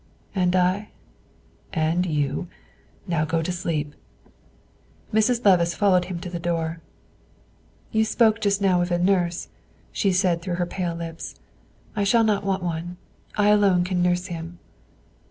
"And I?" "And you. Now go to sleep." Mrs. Levice followed him to the door. "You spoke just now of a nurse," she said through her pale lips; "I shall not want one: I alone can nurse him."